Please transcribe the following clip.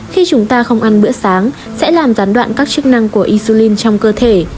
khi chúng ta không ăn bữa sáng sẽ làm gián đoạn các chức năng của isulin trong cơ thể